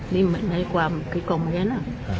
นี่มันให้กว่ามันคิดความเย็นน่ะ